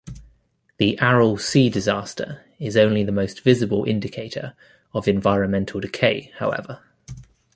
The Aral Sea disaster is only the most visible indicator of environmental decay, however.